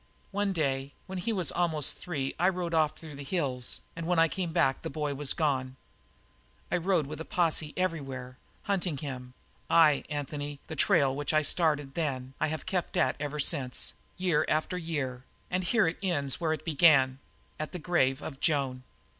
"One day when he was almost three I rode off through the hills, and when I came back the boy was gone. I rode with a posse everywhere, hunting him; aye, Anthony, the trail which I started then I have kept at ever since, year after year, and here it ends where it began at the grave of Joan!